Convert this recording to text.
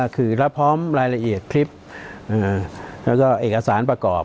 คือรับพร้อมรายละเอียดคลิปแล้วก็เอกสารประกอบ